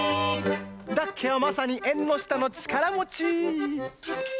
ダッケはまさに「えんのしたのちからもち」！